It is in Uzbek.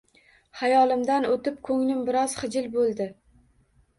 Xayolimdan o‘tib, ko‘nglim biroz xijil bo‘ldi.